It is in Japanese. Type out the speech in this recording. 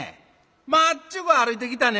まっちゅぐ歩いてきたね。